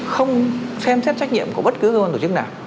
không xem xét trách nhiệm của bất cứ cơ quan tổ chức nào